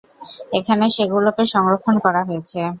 এখানে সেগুলোকে সংরক্ষণ করা হয়েছে।